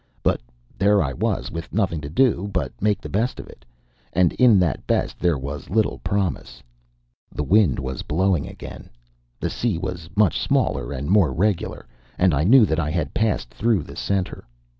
But there I was, with nothing to do but make the best of it, and in that best there was little promise. The wind was blowing again, the sea was much smaller and more regular, and I knew that I had passed through the center.